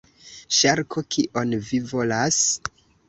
Ŝarko: "Kion vi volas?"